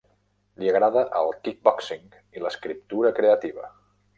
Li agrada el "kick-boxing" i l'escriptura creativa.